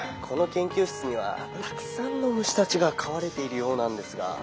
「この研究室にはたくさんの虫たちが飼われているようなんですが」。